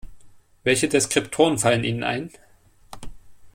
Welche Deskriptoren fallen Ihnen ein?